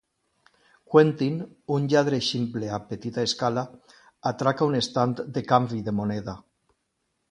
Quentin, un lladre ximple a petita escala, atraca un estand de canvi de moneda.